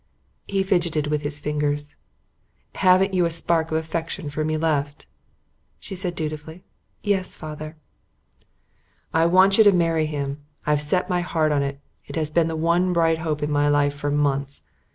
He fidgeted with his fingers. "Haven't you a spark of affection for me left?" She said dutifully, "Yes, father." "I want you to marry him. I've set my heart on it. It has been the one bright hope in my life for months.